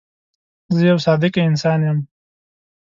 زه یو صادقه انسان یم.